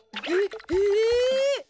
えっえ！